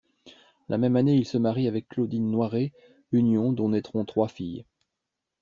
La même année, il se marie avec Claudine Noirée, union dont naîtront trois filles.